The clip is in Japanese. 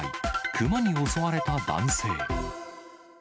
熊に襲われた男性。